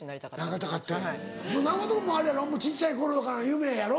なりたかってん長友あれやろ小っちゃい頃からの夢やろ？